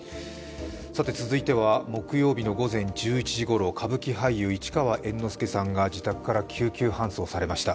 続いては、木曜日の午前１１時ごろ歌舞伎俳優・市川猿之助さんが自宅から救急搬送されました。